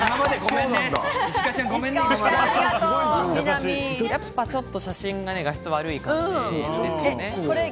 ちょっと写真が画質悪い感じですよね。